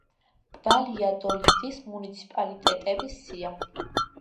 ვალიადოლიდის მუნიციპალიტეტების სია.